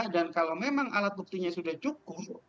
dan kalau memang alat buktinya sudah cukup